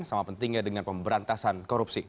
sama pentingnya dengan pemberantasan korupsi